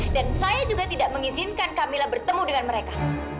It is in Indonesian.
dan saya juga tidak mengizinkan kamila bertemu dengan mereka